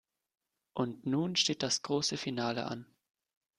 Und nun steht das große Finale an.